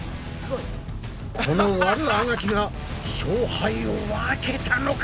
この悪あがきが勝敗を分けたのか！